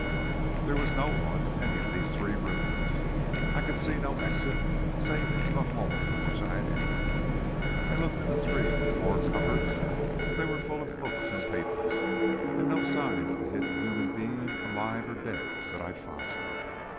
There was no one in any of these three rooms, and I could see no exit, save into the hall from which I had entered. I looked into three or four cupboards, but they were full of books and papers, and no sign of a hidden human being, alive or dead, could I find.